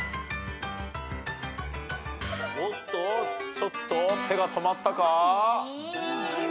おっとちょっと手が止まったか。